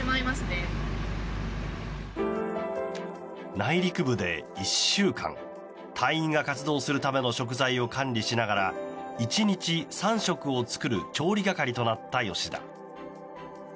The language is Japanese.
内陸部で１週間隊員が活動するための食材を管理しながら１日３食を作る調理係となった吉田。